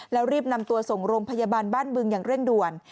แล้วรีบนำตัวส่งโรงพยาบาลบ้านบึงอย่างเร่งด่วน